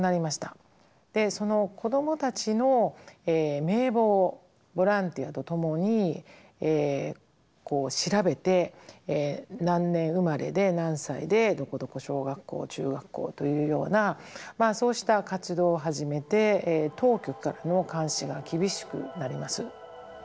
その子どもたちの名簿をボランティアと共に調べて何年生まれで何歳でどこどこ小学校中学校というようなそうした活動を始めて当局からの監視が厳しくなります。